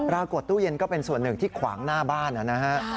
ตู้เย็นก็เป็นส่วนหนึ่งที่ขวางหน้าบ้านนะฮะ